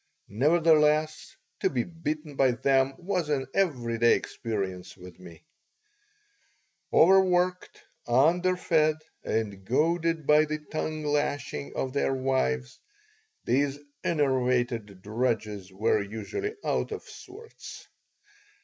Nevertheless, to be beaten by them was an every day experience with me Overworked, underfed, and goaded by the tongue lashings of their wives, these enervated drudges were usually out of sorts.